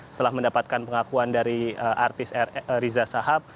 setelah mendapatkan pengakuan dari artis riza sahab